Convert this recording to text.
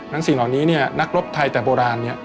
แล้วพวกนี้นักรบไทยแต่โบราณ